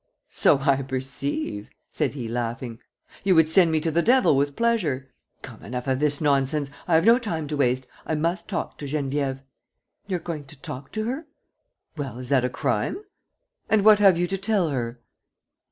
"So I perceive," said he, laughing. "You would send me to the devil with pleasure. Come, enough of this nonsense! I have no time to waste. I must talk to Geneviève." "You're going to talk to her?" "Well, is that a crime?" "And what have you to tell her?"